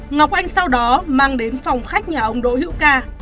ngọc anh sau đó mang đến phòng khách nhà ông đỗ hữu ca